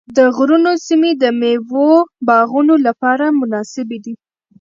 د غرونو سیمې د مېوو باغونو لپاره مناسبې دي.